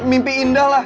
mimpi indah lah